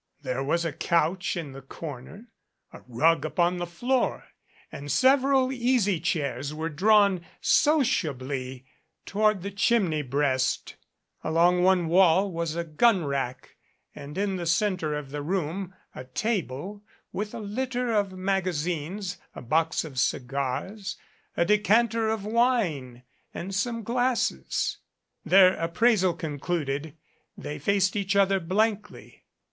There was a couch in the corner, a rug upon the floor and sev eral easy chairs were drawn sociably toward the chimney breast; along one wall was a gun rack and in the center of the room a table with a litter of magazines, a box of cigars, a decanter of wine and some glasses. Their appraisal concluded, they faced each other blankly.